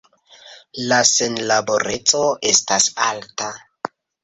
La senlaboreco estas alta.